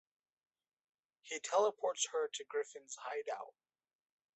He teleports her to Griffin's hideout.